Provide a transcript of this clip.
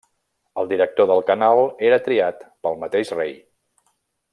El director del canal era triat pel mateix rei.